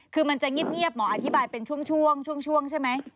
คือมันจะเงียบหมออธิบายเป็นช่วงช่วงใช่ไหม